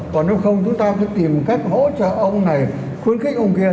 còn nếu không chúng ta cứ tìm cách hỗ trợ ông này khuyến khích ông kia